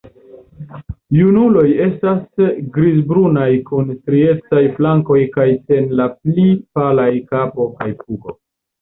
Junuloj estas grizbrunaj kun striecaj flankoj kaj sen la pli palaj kapo kaj pugo.